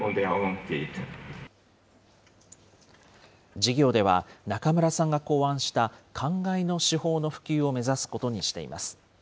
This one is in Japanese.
事業では、中村さんが考案したかんがいの手法の普及を目指すことにしています。